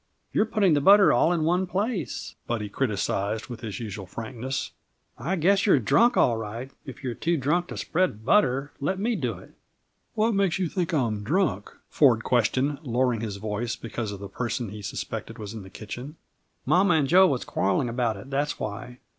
"You're putting the butter all in one place," Buddy criticised, with his usual frankness. "I guess you're drunk, all right. If you're too drunk to spread butter, let me do it." "What makes you think I'm drunk?" Ford questioned, lowering his voice because of the person he suspected was in the kitchen. "Mamma and Jo was quarreling about it; that's why.